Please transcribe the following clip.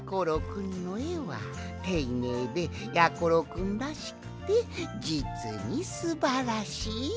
くんのえはていねいでやころくんらしくてじつにすばらしい。